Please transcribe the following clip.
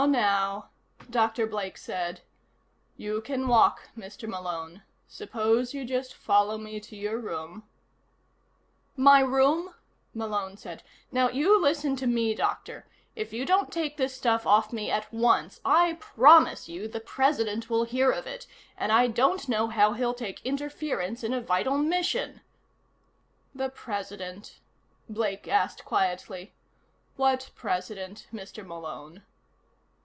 "Now, now," Dr. Blake said. "You can walk, Mr. Malone. Suppose you just follow me to your room " "My room?" Malone said. "Now, you listen to me, Doctor. If you don't take this stuff off me at once I promise you the President will hear of it. And I don't know how he'll take interference in a vital mission " "The President?" Blake asked quietly. "What President, Mr. Malone?"